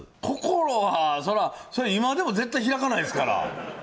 心はそら、それは今でも絶対開かないですから。